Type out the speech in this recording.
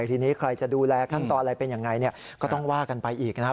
ทีนี้ใครจะดูแลขั้นตอนอะไรเป็นยังไงก็ต้องว่ากันไปอีกนะครับ